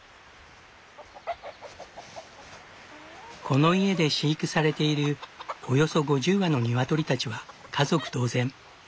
この家で飼育されているおよそ５０羽の鶏たちは家族同然。